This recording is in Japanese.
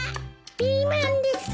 ピーマンです。